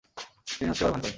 তিনি নাৎসি হওয়ার ভান করেন।